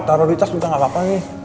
taruh di tas udah gapapa nih